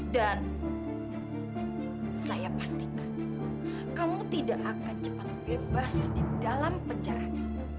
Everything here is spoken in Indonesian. dan saya pastikan kamu tidak akan cepat bebas di dalam penjara ini